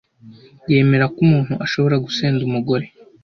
yemera ko umuntu ashobora gusenda umugore